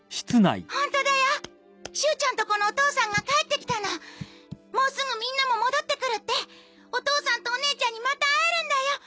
ホントだよシュウちゃんとこのお父さんが帰ってきたのもうすぐみんなも戻ってくるってお父さんとお姉ちゃんにまた会えるんだよ！